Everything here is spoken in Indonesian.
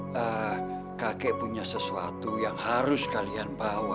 ya kakek punya sesuatu yang harus kalian bawa